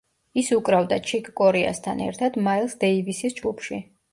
ის უკრავდა ჩიკ კორეასთან ერთად მაილს დეივისის ჯგუფში.